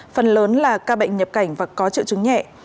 phần lớn là ca bệnh nhập cảnh và có triệu chứng nhẹ